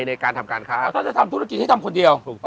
เราจะทำธุรกิจให้ทำคนเดียว